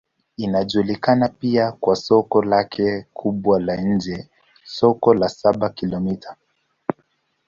Inajulikana pia kwa soko lake kubwa la nje, Soko la Saba-Kilomita.